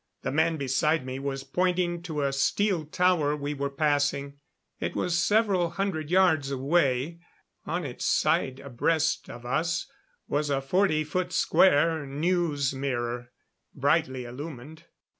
The man beside me was pointing to a steel tower we were passing. It was several hundreds yards away; on its side abreast of us was a forty foot square news mirror, brightly illumined.